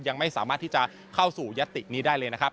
ยังไม่สามารถที่จะเข้าสู่ยตินี้ได้เลยนะครับ